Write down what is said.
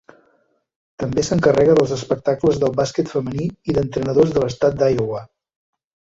També s'encarrega dels espectacles del bàsquet femení i d'entrenadors de l'estat d'Iowa.